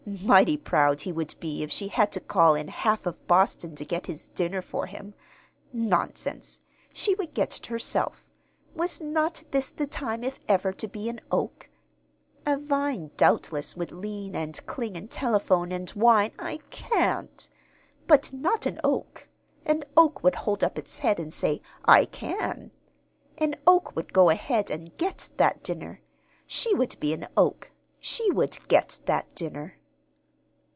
Mighty proud he would be if she had to call in half of Boston to get his dinner for him! Nonsense! She would get it herself. Was not this the time, if ever, to be an oak? A vine, doubtless, would lean and cling and telephone, and whine "I can't!" But not an oak. An oak would hold up its head and say "I can!" An oak would go ahead and get that dinner. She would be an oak. She would get that dinner.